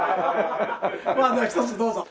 一つどうぞ。